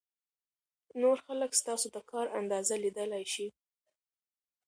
نور خلک ستاسو د کار اندازه لیدلای شي.